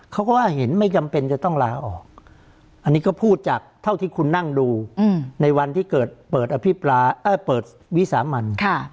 เขาก็เห็นไม่จำเป็นจะต้องลาออกอันนี้ก็พูดจากเท่าที่คุณนั่งดูในวันที่เกิดเปิดวิสามัน